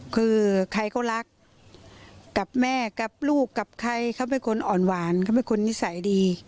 คือใครเขารักกับแม่กับลูกกับใครเขาเป็นคนอ่อนหวานเขาเป็นคนนิสัยดี